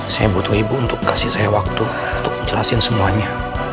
saya butuh ibu untuk kasih saya waktu untuk jelasin semuanya